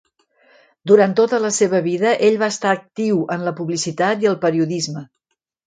Durant tota la seva vida, ell va estar actiu en la publicitat i el periodisme.